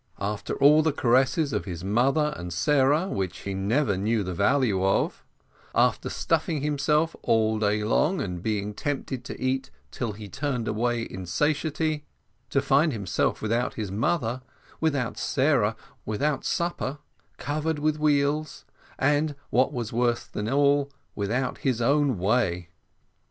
After all the caresses of his mother and Sarah, which he never knew the value of after stuffing himself all day long, and being tempted to eat till he turned away in satiety, to find himself without his mother, without Sarah, without supper covered with weals, and, what was worse than all, without his own way.